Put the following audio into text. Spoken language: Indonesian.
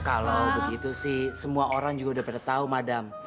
kalo begitu sih semua orang juga udah tau madan